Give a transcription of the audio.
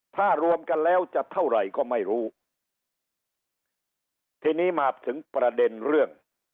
ถ้ารวมกันแล้วจะเท่าไหร่ก็ไม่รู้ทีนี้มาถึงประเด็นเรื่อง